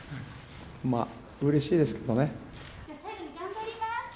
まあうれしいですけどね。